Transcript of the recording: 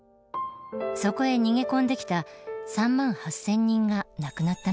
そこへ逃げ込んできた３万８，０００人が亡くなったのです。